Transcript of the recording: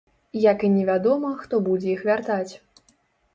Як і невядома, хто будзе іх вяртаць.